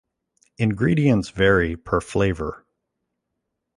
Ingredients vary per flavor.